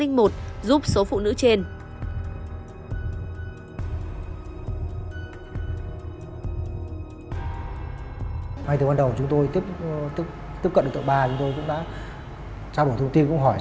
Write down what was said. giúp số phụ nữ trên